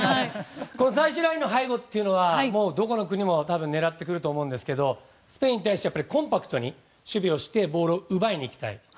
最終ラインの背後というのはどこの国も多分狙ってくると思うんですけどスペインに対してはコンパクトに守備をしてボールを奪いに行きたい。